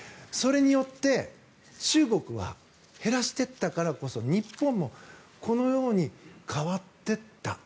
それによって中国は減らしてったからこそ日本もこのように変わってった。